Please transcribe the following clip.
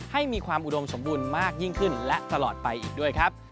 ให้มีความอุดมสมบูรณ์มากยิ่งขึ้นและตลอดไปอีกด้วยครับ